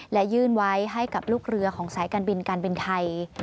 และยื่นไว้ให้กับลูกเรือของสายการบินการบินไทย